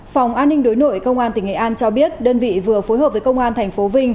phòng an ninh đối nội công an tỉnh nghệ an cho biết đơn vị vừa phối hợp với công an tp vinh